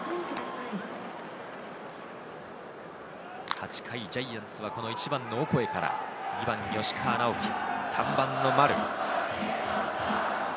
８回、ジャイアンツはこの１番のオコエから、２番・吉川尚輝、３番の丸。